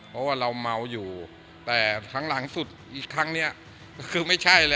เพราะว่าเราเมาอยู่แต่ครั้งหลังสุดอีกครั้งเนี่ยคือไม่ใช่เลย